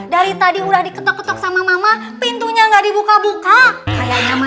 dari tadi udah diketok sama mama pintunya enggak dibuka buka nyaman